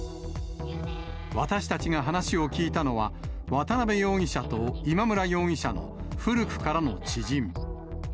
私たちが話を聞いたのは、渡辺容疑者と今村容疑者の古くからの知人。